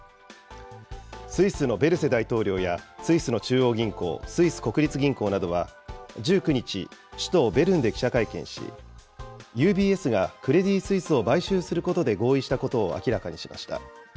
スイスのベルセ大統領やスイスの中央銀行、スイス国立銀行などは１９日、首都ベルンで記者会見し、ＵＢＳがクレディ・スイスを買収することで合意したことを明らかにしました。